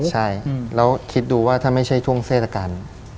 ใช่แล้วคิดดูว่าถ้าไม่ใช่ช่วงเทศกาล